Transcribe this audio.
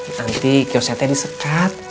nanti kiosetnya disekat